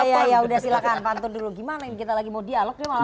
iya iya iya udah silakan pantu dulu gimana ini kita lagi mau dialog nih malam ini